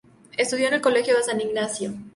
Estudió en el Colegio San Ignacio.